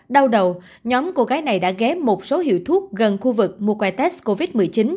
đau đầu nhóm cô gái này đã ghé một số hiệu thuốc gần khu vực mua quay test covid một mươi chín